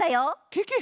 ケケ！